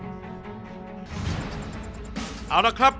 เชฟทุกท่านออกมายืนหน้าเตาเพื่อรับคำท่าที่หนึ่งของคุณได้เลยครับ